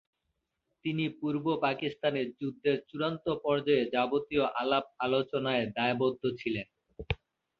তিনি পূর্ব-পাকিস্তানে যুদ্ধের চূড়ান্ত পর্যায়ে যাবতীয় আলাপ-আলোচনায় দায়বদ্ধ ছিলেন।